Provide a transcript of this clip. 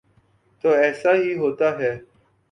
تو ایسا ہی ہوتا ہے۔